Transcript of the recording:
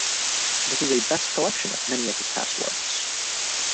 This is a best collection of many of his past works.